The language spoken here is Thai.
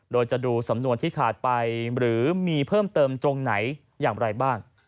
โดยจะดูสำนวนที่ขาดไปหรือมีเพิ่มเติมตรงไหนอย่างไรบ้าง